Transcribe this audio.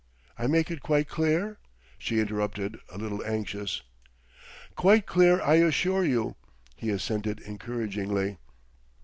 I make it quite clear?" she interrupted, a little anxious. "Quite clear, I assure you," he assented encouragingly.